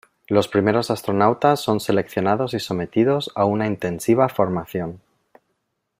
Los primeros astronautas son seleccionados y sometidos a una intensiva formación.